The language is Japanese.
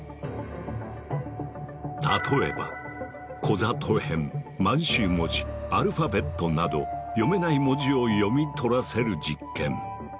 例えばこざとへん満洲文字アルファベットなど読めない文字を読み取らせる実験。